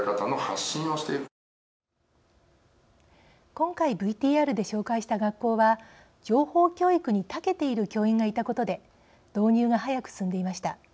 今回、ＶＴＲで紹介した学校は、情報教育にたけている教員がいたことで導入が早く進んでいました。